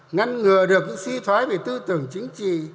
ngăn ngừa được những suy thoái về tư tưởng chính trị